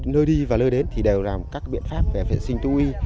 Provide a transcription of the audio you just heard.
nơi đi và nơi đến thì đều làm các biện pháp về vệ sinh thú y